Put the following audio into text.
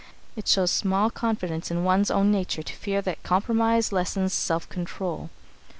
It shows small confidence in one's own nature to fear that compromise lessens self control.